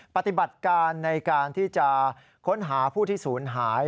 ปฏิบัติการในการที่จะค้นหาผู้ที่ศูนย์หาย